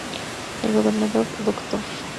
El gobernador Dr.